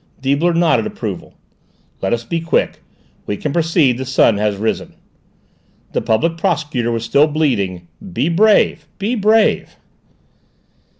Deibler nodded approval. "Let us be quick; we can proceed; the sun has risen." The Public Prosecutor was still bleating "Be brave! Be brave!"